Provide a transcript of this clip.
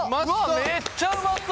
めっちゃうまそう！